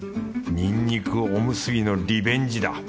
にんにくおむすびのリベンジだ！